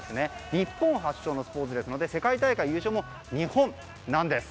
日本発祥のスポーツですので世界大会優勝も日本なんです。